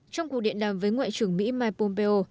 trong cuộc điện đàm với ngoại trưởng mỹ mike pompeo